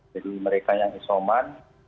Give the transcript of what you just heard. jadi mereka yang isoman